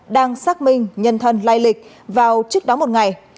đang xác minh nhân thân lai lịch vào trước đó một ngày